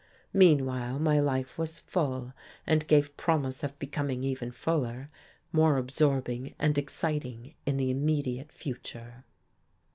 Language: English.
Meanwhile my life was full, and gave promise of becoming even fuller, more absorbing and exciting in the immediate future.